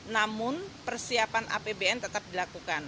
namun persiapan apbn tetap dilakukan